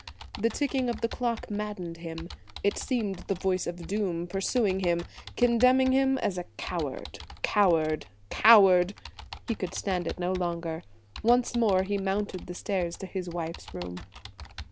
The ticking of the clock maddened him. It seemed the voice of doom pursuing him–condemning him as a coward–coward–coward. He could stand it no longer. Once more he mounted the stairs to his wife's room.